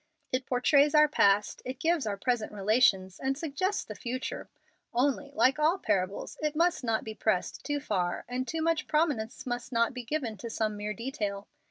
It portrays our past, it gives our present relations, and suggests the future; only, like all parables, it must not be pressed too far, and too much prominence must not be given to some mere detail.